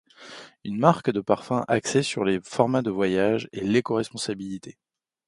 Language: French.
Une marque de parfums axée sur les formats de voyage et l’éco-responsabilité.